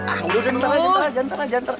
ayo jangan terlalu jantar jantar